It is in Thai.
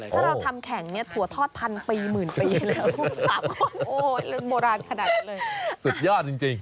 ถ้าเราทำแข่งเนี่ยถั่วทอดพันปีหมื่นปีแล้วสุดยอดจริง